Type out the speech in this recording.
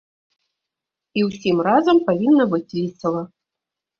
І ўсім разам павінна быць весела.